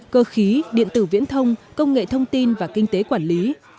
cơ khí điện tử viễn thông công nghệ thông tin và kinh tế quản lý